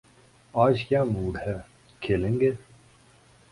آج کیا موڈ ہے، کھیلیں گے؟